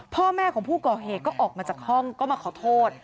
พ่อแม่ของผู้ก่อเหตุก็ออกมาจากห้องก็มาขอโทษ